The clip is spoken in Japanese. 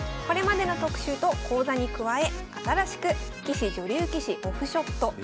これまでの特集と講座に加え新しく棋士・女流棋士「オフショット」。